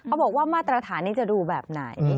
เขาบอกว่ามาตรฐานนี้จะดูแบบไหน